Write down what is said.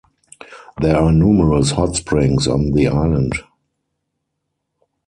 There are numerous hot springs on the island.